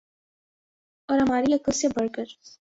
اور ہماری عقل سے بڑھ کر